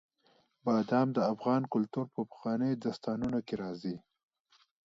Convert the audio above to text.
بادام د افغان کلتور په پخوانیو داستانونو کې راځي.